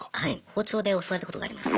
包丁で襲われたことがあります。